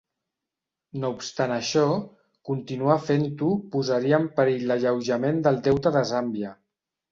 No obstant això, continuar fent-ho posaria en perill l'alleujament del deute de Zàmbia.